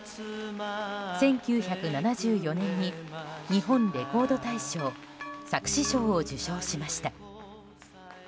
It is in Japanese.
１９７４年に日本レコード大賞作詞賞を受賞しました。